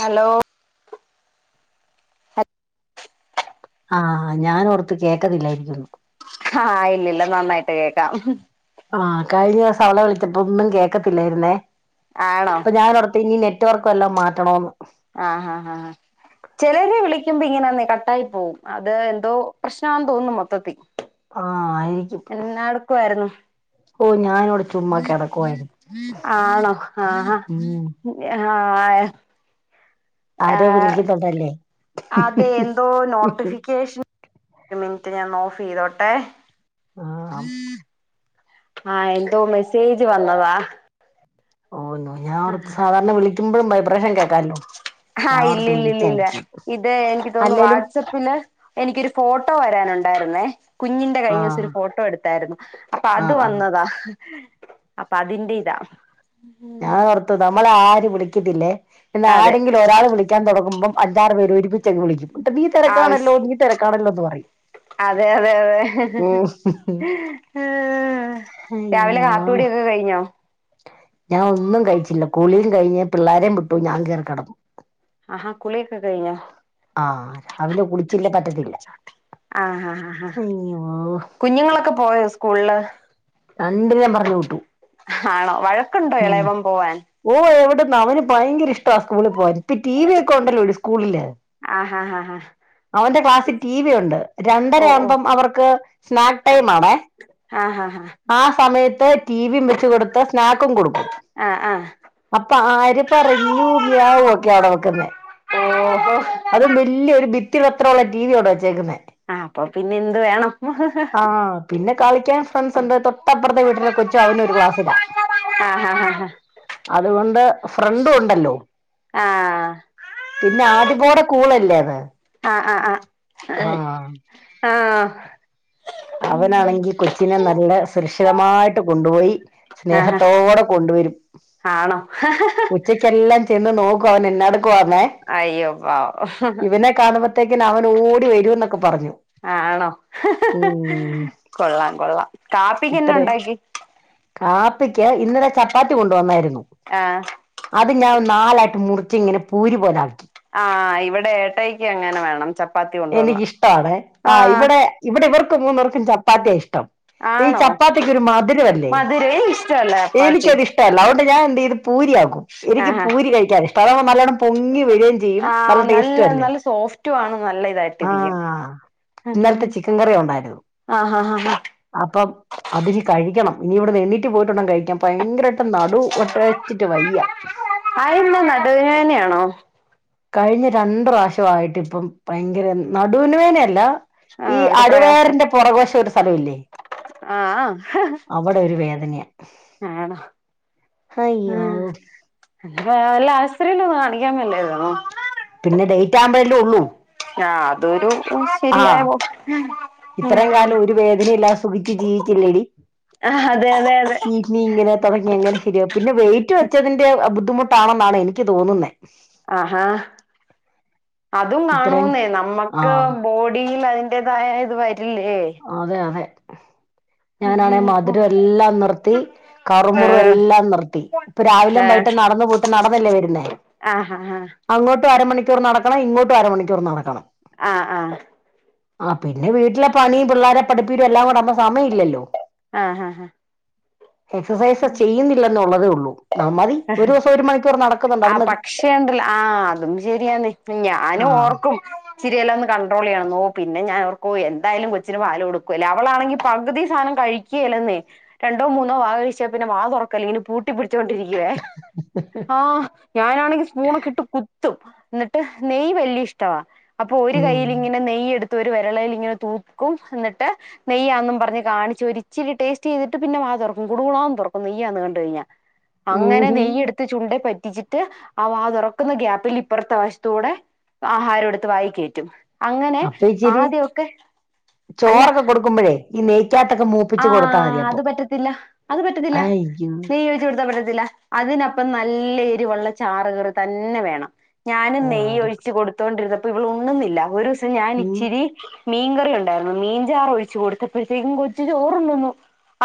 Hello അ ആഹ ഞാൻ ഓർത്ത് കേക്കതില്ലായിരിക്കുന്നു ആഹ് ഇല്ലല്ല നന്നായിട്ട് കേക്കാം ആഹ കഴിഞ്ഞ ദിവസം അവളെ വിളിച്ചപ്പോ ഒന്നും കേക്കത്തില്ലായിരുന്നേ ആണോ അപ്പൊ ഞാാനോടടുത്ത് ഇനി നെ മറ്റവർക്കും എല്ലാം മാറ്റണമന്ന് ആഹ് ആഹ ആഹ് ചെലര് വിളിക്കുമ്പോ ഇങ്ങനെന്ന കട്ടായി പോകവും അത് എന്തോ പ്രശ്നമാന്ന് തോന്നും മൊത്തത്തിൽ ആഹ് ആയിരിക്കും എന്നാടുക്കുവായിരുന്നു. ഓഹ് ഞാനിവിടെ ചുമ്മാ കെടക്കുവായിരുന്നു ആണോ ആഹ. ഉം ആഹ ആ. ആരോ ആഹ വിളിക്കുന്നുണ്ടല്ലേ അതെ എന്തോ നോട്ടിഫിക്കേഷൻ. ഒരു മിനിറ്റ് ഞാൻന്ന് ഓഫ് ചെയ്തോട്ടെ. ആഹ് ആഹ എന്തോ മെസ്സേജ് വന്നതാ. ഓന്നോ ആഹ് ഞാനോർത്ത് സാധാരണ വിളിക്കുമ്പോഴു വൈബ്രേഷൻ കേക്കാല്ലോ. ആഹ് ഞാനോർത്ത് ഇല്യാല്യല്ലില്ല വിളിക്കായിരിക്കും ഇത് എനിക്ക് തോന്നുന്നു അല്ലേലും വാട്സആപ്പില് എനിക്കൊരു ഫോട്ടോ വരാനുണ്ട്. ണ്ടായിരുന്ന കുഞ്ഞിന്റെ കഴിഞ്ഞോസം ആഹ് ഒരു ഫോട്ടോ എടുത്തായിരുന്നു അപ്പൊ അത് ആഹ് ആഹ് വന്നതാ. അപ്പൊ അതിന്റെ ഇതാ. ഞാനോർത്തു നമ്മളെ ആര് വിളിക്കതില്ലേ പിന്നെ അതെ ആരെങ്കിലും ഒരാൾ വിളിക്കാൻ തുടങ്ങുമ്പം അഞ്ചാറുപേര് ഒരുപ്പിച്ചങ് വിളിക്കും ന്നിട്ട് നീ ആവശ്യ തിരക്കാണല്ല നീ തിരക്കാണല്ലോ എന്ന് പറയും. അതെ അതെ അതെ. ഉം രാവിലെ അയ്യോ കാപ്യുടിയൊക്കെ കയിഞ്ഞോ. ഞാൻ ഒന്നും കഴിച്ചില്ല കുളിയും കഴിഞ്ഞു പിള്ളാരേ വിട്ടു ഞാൻ കയറി കിടന്നു. ആഹാ കുളിയൊക്കെ കഴിഞ്ഞോ. ആഹ് രാവിലെ കുളിച്ചില്ലേ പറ്റത്തില്ല. ആഹ ആ ആ ഹാ അയ്യോ കുഞ്ഞുങ്ങളൊക്കെ പോയോ സ്കൂളില്. രണ്ടിനേം പറഞ്ഞു വിട്ടു ആണോ വഴക്കുണ്ടോ ഉ ഇളയവൻ പോവാൻ ഓ വിടെന്ന് അവന്. ഭയങ്കര ഇഷ്ടാ സ്കൂളിൽ പോവാൻ ഇപ്പ ടി വി ഒക്കെ ഉണ്ടല്ലോ സ്കൂളില്. ആ ഹാ ഹാ. അവന്റെ ക്ലാസ്സിൽ ടി വി ഉണ്ട് രണ്ടര ഓ ഓ ആവുമ്പം അവർക്ക് സ്നാക്ടൈം ആണേ. ആഹ. ആ സമയത്ത് ടിവിയും വെച്ച് കൊടുത്ത് സ്നാക്കും കൊടുക്കും. ആഹ് ആ അപ്പൊ ആര് പറഞ്ഞു മ്യാവുക്കെയാണ് വെക്കുന്നെ. ഓഹോ അതും വല്ല്യോരു ഭിത്തിഅത്രോള്ളെ ഉള്ള ടിവി അവിടെ വെച്ചേക്കുന്നേ. ആ അപ്പൊ പിന്നെ എന്ത് വേണം ആഹ പിന്നെ കളിക്കാൻ ഫ്രണ്ട്സ് ഉണ്ട് തൊ ട്ടപ്പറത്തെ വീട്ടിലെ കൊച്ചും അവനും ഒരു ക്ലാസില. ആ ആ അതുകൊണ്ട് ഫ്രണ്ടും ഉണ്ടല്ലോ. ആ പിന്നെ ആദ്യപോടെ കൂളല്ലേ അത്. ആഹ് ആഹ് ആഹ് ആ ആഹ. അവനാണെങ്കി കൊച്ചിനെ നല്ല സുരക്ഷിതമായിട്ട് കൊണ്ടുപോയി ആ സ്നേഹത്തോടെ കൊണ്ടു വരും. ആണോ. ഉച്ചക്കെല്ലാം ചെന്ന് നോക്കും അവൻ എന്നാട ക്കുവാന്നെ അയ്യോ പാവം ഇവനെ കാണുമ്പോത്തേക്കി അവൻ ഓടി വരൂന്നൊക്കെ പറഞ്ഞു. ആ ആണോ ഉം കൊള്ളാം കൊള്ളാം കാപ്പിക്കനെ ഇത്രേ ഉണ്ടാക്ക്യേ. കാപ്പിക്ക് ഇന്നലെ ചപ്പാത്തി കൊണ്ടുവന്നായിരുന്നു. ആഹ. അത് ഞാൻ നാലായിട്ട് മുറിച്ച് ഇങ്ങനെ പൂരി പോലാക്കി. ആ ഇവിടെ ഏട്ടായ്ക്ക് അങ്ങനെ വേണം. ചപ്പാത്തി കൊണ്ടുവന്നാ എനക്കിഷടാണ് ആ ഇവിടെ ഇവിടെ ഇവർക്കും മൂന്നവർക്കും ചപ്പാത്തിഷ്ടം. ഈ ആണോ ചപ്പാത്തിക്കൊരു മധുരല്ലേ മധുരേ ഇഷ്ടല്ല ചപ്പാത്തി എനിക്കത് ഇഷ്ടല്ല അതുകൊണ്ട് ഞാൻ എന്തേയ്ത്. പൂരിയാക്കും എനിക്ക് ആഹാ പൂരി കഴിക്കാൻ ഇഷ്ടം അത നല്ലോണ്ണം പൊങ്ങി വേരേം ചെയും നല്ല ടേസ്റ്റ ല്ലേ. ട്ടുവാന്നേൽ നല്ല ഇതായിട്ടിരിക്കും. ഇന്നലത്തെ ചിക്കൻ കറി ഉണ്ടായിരുന്നു ആഹ് ആഹ് ആഹ് അപ്പം അതിന് കഴി ക്കണം ഇനി ഇവിടെ എണ്ണീട്ട് പോയിട്ടുങ്ക കഴിക്കൻ ഭയങ്കരായിട്ട് നടു ഒട്ടച്ചിട്ട് വയ്യ. ആതനാ നടുവേനയാണോ. കഴിഞ്ഞ രണ്ട് പ്രാവശ്യയിട്ട് ഇപ്പം ഭയങ്കര നടുവിന് വേനയല്ല. ആഹ് [unintelligible] ആഹ, ഒരു വേദനയാ ആണോ, ആ അയ്യോ മ്മ് വല [unintelligible] [unintelligible] പിന്ന ഡേയ്റ്റാമ്പലേ [unintelligible] ആ അതൊരു ശരിയായ ഇത്രേം, ഉം കാലം, ഒരു വേദനയില്ലതെ, സുഖിച്ച്, ജീവിച്ചില്ലെടി അതെ അതെ അതെ [unintelligible] തൊടങ്ങി, എങ്ങനെ, ശരിയാവും, പിന്നെ, വെയ്റ്റ്, വെച്ചതിന്റെ ബുദ്ധിമുട്ടാണെന്നാണ്, എനിക്ക്, തോന്നുന്നെ ആഹാ, അതും, ഇത്രയും കാണൂന്നേ, ആ നമ്മുക്ക്, ബോഡിൽ, അതി ന്റേതായ, ഇത് വ അതെ, അതെ. ഞാനാണെ, ഉം മധുരം എല്ലാം നിർത്തി, കറുമുറു ഏഹ് എല്ലാം നിർത്തി. ഇപ്പൊ രാവിലെ ട്ട് ഏഹ് നടന്ന് പോട്ട് നടന്നല്ലേ വരുന്നേ ആഹഹ അങ്ങോട്ടും അരമണിക്കൂർ നടക്കണം ഇങ്ങോട്ടും അരമണിക്കൂർ നടക്കണം. ആ ആ ആ പിന്നെ വീട്ടിലെ പണീം പിള്ളേരെ പഠിപ്പീരും എല്ലാം കൂടെ ആവുമ്പോ സമയല്ലല്ലോ ആ ആഹഹഹ എക്സസൈസ് ചെയ്യുന്നില്ല ന്നുള്ളതേ ഉള്ളൂ ആ മതി അ ഒരു ദിവസം ഒരു മണിക്കൂർ നടക്കുന്നുണ്ട് ആ അത് മതി പക്ഷേണ്ടല്ല ആ അതും ശെരിയാന്ന് ഞാനും ആഹ് ഓർക്കും ച്ചിരിയെല്ലാം ന്ന് കൺട്രോളെയ്യാം ഓ പിന്നെ ഞാനോർക്കും എന്തായാലും കൊച്ചിന് പാലോട്ക്കല്ലേ അവളാണെങ്കി പകുതി സാ കഴിയിക്കെല്ലെന്നേ രണ്ടോ മൂന്നോ വാ കഴിച്ചാപിന്നെ വാ തുറക്കല്ല ഇങ്ങനെ പൂട്ടി പിടിച്ചുകൊണ്ടിരിക്ക ല്ലുവെ ആ ഞാനാണെങ്കി സ്പൂണൊക്കെ ഇട്ട് കു ത്തും ന്നിട്ട് നെയ്യ് വല്യ ഷ്ടവാ അപ്പോ ഒരു ഉം കയ്യില് ഇങ്ങനെ നെയ്യ്ടുത് ഒരു രളേലിങ്ങനെ തൂക്കും ന്നിട്ട് നെയ്യാന്നും പർഞ്ഞ് കാണിച്ച് ഒരിച്ചിരിടേസ്റ്റെയ്തിട്ട് പിന്നെ മ തൊറക്കും കുടുകുടാന്ന് തൊറക്കും നെയ്യാന്ന് കണ്ട് കഴിഞ്ഞാ അങ്ങനെ ഊഹും നെയ്യെട്ത്ത് ചുണ്ടേ പ റ്റിച്ചിട്ട് ആ വാ തൊറക്കുന്ന ഗ്യാപ്പിൽ ഇപ്പറത്തെ വശത്തൂടെ ആഹാരം എടുത്ത് വായിക്കേറ്റും അങ്ങനെ അപ്പൊ ഇച്ചിരി ആദ്യൊക്കെ അല്ല ചോറൊക്കെ കൊടുക്കുമ്പോഴേ ഈ നെയ്ക്കാത്തൊക്കെ ആ മൂപ്പിച്ച് കൊടുത്താൽ മതി അപ്പൊ അത് പറ്റത്തില്ല അത് പറ്റത്തില്ല അയ്യോ നെയ്യ് ഒയ്ച്ച് കൊടുത്തപ്പറ്റത്തില്ല അതിനപ്പം നല്ല എരു വുള്ള ചാറ് കറി തന്നെ വേണം ഞാനും ആടി നെയ്യൊഴിച്ചു കൊടുത്തോണ്ടിരുന്നപ്പോ പ്പൊവിൾ ഉണ്ണുന്നില്ല ഒരു ദിവസം ഞാൻ ഉം ഇച്ചിരി മീൻകറിണ്ടായിരുന്നു മീൻചാറൊഴിച്ച് കൊടുത്തപ്പോഴത്തേക്കും കൊച്ച് ചോറുണ്ണുന്നു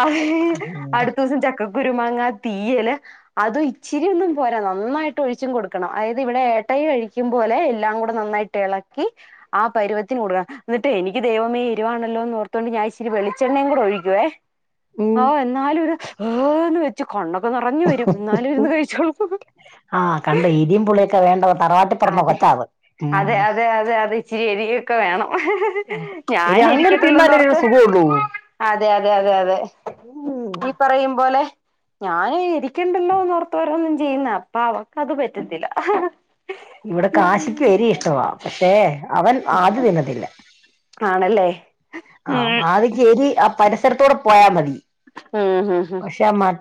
അ ആ കണ്ട അടുത്ത ദിവസം ചക്ക കുരുമാങ്ങ തീയ്യല് അതും ഇച്ചിരിയൊന്നും പോരാ നന്നായിട്ടും ഒഴിച്ചും കൊടുക്കണം അതായത് ഇവിടെ ഏട്ട യ്യ് കഴിക്കുംപോലെ എല്ലാംകൂടെ നന്നായിട്ട് എളക്കി ആ പരുവത്തിന് കൊടുക്കണം എന്നിട്ട് എനിക്ക് ദൈവമേ വരുവാണല്ലോന്നോർത്തോണ്ട് ഞാച്ചിരി വെളി ചെണ്ണയും കൂടെ, ഒഴിക്കുവേ ആ ഉം എന്നാലൊരു ഏന്ന് വന്ന് വെച്ച് കണ്ണ ക്ക നിറഞ്ഞ് വരും ന്നാലും ഇരുന്ന് കഴിച്ചോളും ഹ ഹ് ആ കണ്ട എരിം പുളിയൊക്കെ വേണ്ട തറവാട്ടിപ്പെറന്ന അതെ കൊച്ചാ അത് അതെ ഇഹ്ഹ് എനി അങ്ങനെ തിന്നാലേ ഒരു ഞാനിരീക്കത്തുള്ളോന്നൊർത്ത് സുഖമുള്ളൂ അതെ അതെ അതെ അതെ ഉം ഈ പറയുമ്പോലെ ഞാന് ഇരിക്കണ്ടല്ലോന്നോർത്ത് ഓരൊന്നും ചെയ്യുന്ന അപ്പൊ അവക്ക് അത് പറ്റത്തില്ല ഇവിടെ കാശിക്ക് എരി ഇഷ്ടവാ പക്ഷേ അവൻ ആട് തിന്നത്തില്ല ആണല്ലേ ആ ഉം [unintelligible] ആ പരിസരത്തൂടെ പോയാ മതി ഉം ഉം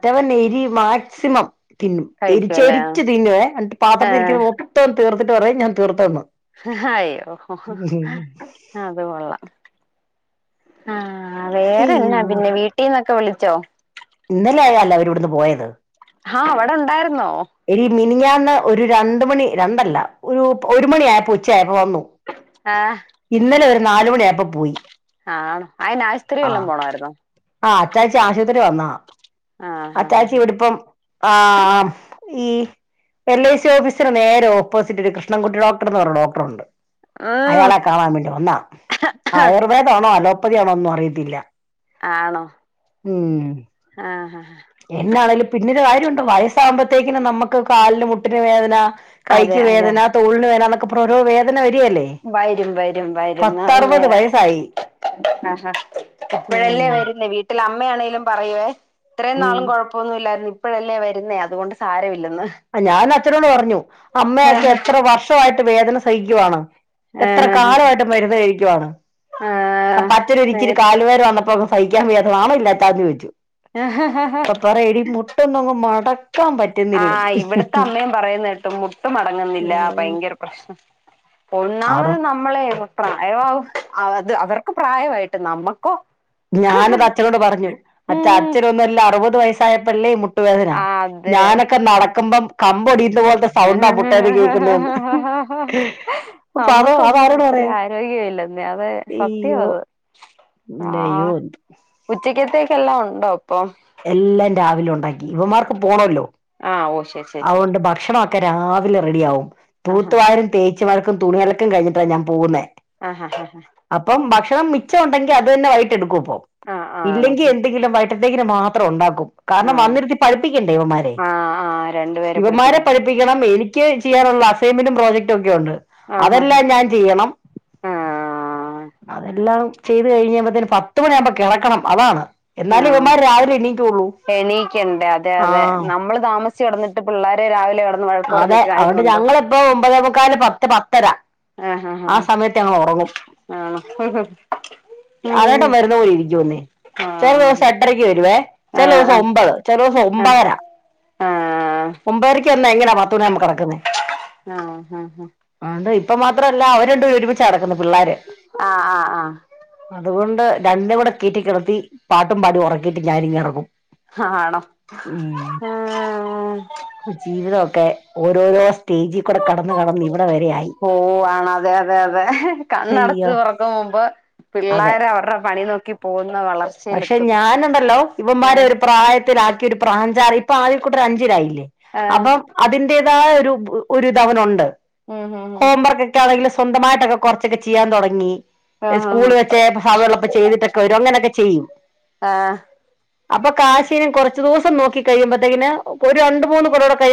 ട്ടവനിരി മാക്സിമം തിന്നും കഴിക്കുവല്ലേ എരിചെരിച്ച് തിന്നുവേ അന്ട്ട് ആഹ് പാത്രത്തിഇരിക്കുന്ന മൊത്തം തീർത്തിട്ട് പറയും ഞാ തീർത്തന്ന് ഹഹ അയോ അതുകൊള്ളാം ആ ആ വേറെന്നാ അയ്യോ പിന്നെ വീട്ടീന്നൊക്കെ വിളിച്ചോ ഇന്നലെ ആയാല്ലെ അവരിവിടുന്ന് പോയത് ഹാ അവടെണ്ടാര്ന്നോ എടി മിനിഞാന്ന് ഒരു രണ്ട് മണി രണ്ടല്ല ഒരു ഒരുമണി ആയപ്പോ ഉച്ചആയപ് വന്നു ആഹ് ഇന്നലെ ഒരു നാല് മണി ആയപ്പോ പോയി ആണോ അയിന് ആശുപത്രി ആ വല്ലോം പോണായിരുന്നോ ആ അച്ചാച ആശുത്രി വന്ന ആഹ് ആഹ് അച്ചാച്ചി ഇവിടിപ്പം ആം ഈ എൽ ഐ സി ഓഫീസിന് നേരെ ഓപ്പോസിറ്റൊരു കൃഷ്ണൻകുട്ടി ഡോക്ടറന്ന് പറ്ഞ്ഞ ഡോക്ടറൊണ്ട് ഉം അയാളെ കാണാവേണ്ടി വന്നാ ആയുർവേദാണോ അലോപ്പതിയാണോനൊന്നു അറിയത്തില്ല ആണോ ഉം ആഹ് പിന്നീട് കാര്യവൊണ്ട് വയസ്സാമ്പത്തേക്കിന് നമ്മക്ക് കാലിന് മുട്ടിന് വേദന അതെ കൈക്ക് അതെ വേദന തോള്ന് വേനന്നൊക്കെ പറ്ഞ്‌ ഓരോ വേദന വര് വരും വരും വരും പത്തറുപത് അന്നേര വയസ്സായി ആഹാ ഇപ്പഴല്ലേ ഉം വരുന്നെ വീട്ടിലമ് അമ്മ ആണേലും പറയുവെ ഇത്രേം ഉം നാളും കൊഴപ്പൊന്നുല്ലാരുന്നു ഇപ്പഴല്ലേ വര്ന്നേ അതുകൊണ്ട് സാരവില്ല അ ഞാൻ അച്ഛനോട് പറഞ്ഞു അമ്മയൊക്കെ ആഹ് എത്ര വർഷവായ്ട്ട് വേദന സയ്ക്കുവാണ് എത്ര ആഹ് ആഹ് കാലവായ്ട്ട് മരുന്നു കയ്ക്കുവാണ് ആ ആഹ് പറ്റൊരു ഒരിക്കിരി നേര് കാലുവേന വന്നപ്പോ സയ്ക്കാൻ വയ്യാത്ത നാണവില്ലെ അച്ഛാന് ചോയ്ച്ചു അപ്പ പറയ എടി മുട്ടൊന്നുവങ്ങ് മട ക്കാൻ പറ്റുന്നില്ലന്ന് ഇവിട്ത്തെ അമ്മേം പറയ്ന്ന കേട്ടു മുട്ട് മടങ്ങ്ന്നില്ല ഉം. പയ്ങ്കര പ്രശ്നം ആറ് ഒന്നാമത് നമ്മളെ പ്രായം ആവും ആ അത് അവറ്ക്ക് പ്രായവായിട്ട് നമ്മക്കോ ഞാനത് അച്ഛനോട് പറഞ്ഞു അച്ഛാ ഉം അച്ഛനൊന്നുവല്ല അറുപത് വയസ്സായപ്പള്ളേ മുട് മുട്ടുവേദന അതെ ഞാനൊക്കെ നടക്കുമ്പം കമ്പൊടിയ്ന്ന പോലത്തെ സൗണ്ടാ മുട്ടേന്ന് കേക്കുന്നേന്ന് ആഹാഹ നമ്മക്കൊന്നു ഇത്ര പറയാ ആരോഗ്യവില്ലന്നെ അത് സത്യവാ അത് നെയൂദ് കത്തേക്കെല്ലാ ഒണ്ടോ അപ്പം എല്ലാം രാവിലെ ഒണ്ടാക്കി ഇവമാർക്ക് പോണോല്ലോ ആ ഓ ശെര് ശെര് ശെരി രാവിലെ റെടി ആവും തൂത്തുവാരും തേച് മഴ്ക്കും തുണി അലക്കും കൈഞ്ഞിട്ടാ ഞാന് പോകുന്നേ ആ ഹാ ഹ ഹ അപ്പം ഭക്ഷണം മിച്ചവൊണ്ടങ്കി അത് തന്നെ വൈട്ടെടുക്കു അപ്പോ ആഹ് ആണോ ഇല്ലെങ്കി എന്തെങ്കിലും വൈട്ടതേക്കിന് മാത്രം ഇ എന്തെങ്കിലും വൈകട്ടെടുത്തേക്കിന് മാത്രം ഉണ്ടാകും കാരണം ആഹ് വന്നിരുത്തി പഠിപ്പിക്കണ്ടേ ഇവമ്മാരെ ആഹ് ആഹ് രണ്ടുപേരെ ഇവമ്മാരെ പഠിപ്പിക്കണ്ടേ പഠിപ്പിക്കണം എനിക്ക് ചെയ്യാനുള്ള അസെയ്മെന്റും പ്രൊജക്റ്റു ഒക്കെ ഒണ്ട് ആഹ് അതെല്ലാം ഞാചെയ്യണം ആഹ് ആഹ് അതെല്ലാം ചെയ്ത് കൈഞ്ഞ് നമ്മളെതേനും പത്ത് മണിയാമ്പ കെടക്കണം അതാണ് എന്നാലും ആഹ് ഇവമ്മാര് രാവിലെ എണീക്കുള്ളൂ എണീക്കണ്ടേ അതെ ആ അതെ നമ്മള് താമസച് കെടന്നിട്ട് പിള്ളാരെ രാവിലെ കിടന്ന് വഴക്ക് അതെ പറഞ്ഞിട്ട് അതോണ്ട് കാര്യമുണ്ടോ ഞങ്ങളെപ്പോ ഒമ്പതേ മുക്കാല് പത്ത് പത്തര ആ ഹാ ഹ സമയത്ത് ഞങ്ങൾ ഉറങ്ങും ആ ആറാട്ടം വരുന്ന പോലിരിക്കുന്നേ ചെല ആഹ് ദൂസം എട്ടരക്ക് വരുവേ ചെല ദൂസം ഒമ്പത് ചെല ദൂസം ഒമ്പര ആ പിന്നെങ്ങനെ പത്ത് [inaudible] ആ ഹ ഹ ഇപ്പ മാത്രവല്ല അവര് രണ്ടുപേരു ഒരുമിച്ചാ നടക്കുന്നെ പിള്ളാര് ആഹ് ആഹ് അതുകൊണ്ട് രണ്ടനെകൂടെ കേറ്റി കെട്ത്തി പാട്ടും പാടി ഉറക്കിട്ട് ഞാനിങ്ങെറങ്ങും ഹാ ആണോ ഉം കെ ഓരോരോ സ്റ്റേജി കൂടെ കടന്ന് കടന്നി ഓഹ് ആണ അതെ അതെ അതെ അയ്യോ കണ്ണടച്ചത് തുറക്കും മുമ്പ് അതെ പിള്ളോര അവരുടെ പണി നോക്കി പോകുന്ന പക്ഷെ വളർച്ചയിലെത്തും ഞാനുണ്ടല്ലോ ഇവന്മാരെ ഏഹ് ഒരു പ്രായത്തിലാക്കി ഒരു പ്രാഞ്ചായ് ഇപ്പൊ ആദ്യ കൂട്ട ഒരു അഞ്ചിലായില്ലേ ഏഹ് അപ്പം അതിന്റ ദാ യൊരു ബ് ഒരിധവനുണ്ട് ഉം ഉം ഉം ഹോംവർക്ക് ഒക്കെ ആണെങ്കില് സ് സ്വന്തമായിട്ടൊക്കെ കുറച്ചൊക്കെ ചെയ്യാൻ തുടങ്ങി ആഹ് സ്കൂള് വെച്ചേ ഭാവോള്ളപ്പ ചെയ്തിട്ടൊക്കെ വരും അങ്ങനൊക്കെ ചെയ്യും ആഹ് ആഹ് അപ്പൊ കാശിനും കുറച്ച് ദിവസം നോക്കി കഴിയുമ്പോഴത്തേക്കിന് ഒരു രണ്ടു മൂന്ന് കൊല്ലം കൂടെ കഴിയുമ്പോ